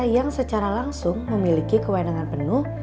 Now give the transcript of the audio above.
yang secara langsung memiliki kewenangan penuh